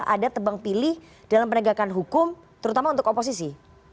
ada tebang pilih dalam penegakan hukum terutama untuk oposisi